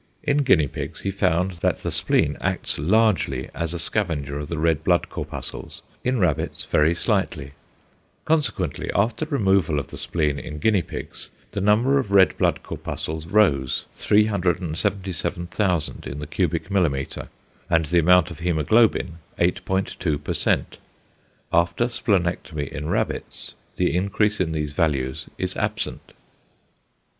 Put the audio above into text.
In guinea pigs he found that the spleen acts largely as a scavenger of the red blood corpuscles; in rabbits very slightly. Consequently after removal of the spleen in guinea pigs the number of red blood corpuscles rose 377,000 in the cubic millimetre, and the amount of hæmoglobin 8.2%. After splenectomy in rabbits the increase in these values is absent.